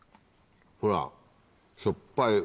ほらしょっぱい。